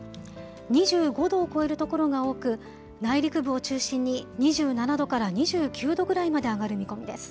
２５度を超える所が多く、内陸部を中心に２７度から２９度ぐらいまで上がる見込みです。